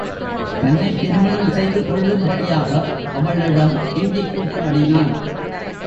தன்னைத் திருமணம் செய்து கொள்ளும்படியாக அவளிடம் கெஞ்சிக் கூத்தாடினான்.